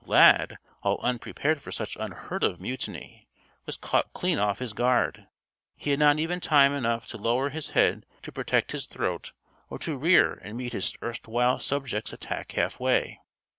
Lad, all unprepared for such unheard of mutiny, was caught clean off his guard. He had not even time enough to lower his head to protect his throat or to rear and meet his erstwhile subject's attack halfway.